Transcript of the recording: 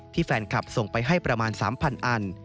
แฟนคลับส่งไปให้ประมาณ๓๐๐อัน